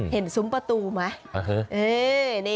เห็นซุ้มประตูไหม